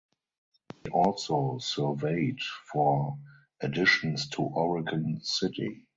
He also surveyed for additions to Oregon City.